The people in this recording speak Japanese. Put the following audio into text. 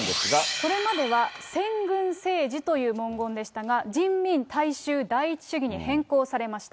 これまでは先軍政治という文言でしたが、人民大衆第一主義に変更されました。